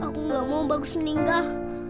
aku gak mau bagus meninggal